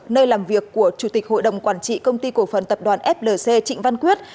nơi làm việc của chủ tịch hội đồng quản trị công ty cổ phần tập đoàn flc trịnh văn quyết